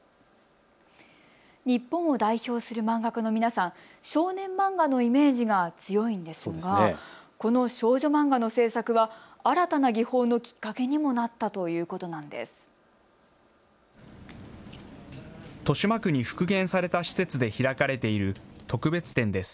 日本を代表する漫画家の皆さん、少年漫画のイメージが強いんですがこの少女漫画の制作は新たな技法のきっかけにもなったということなんです。